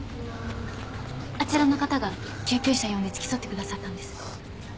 あちらの方が救急車呼んで付き添ってくださったんです。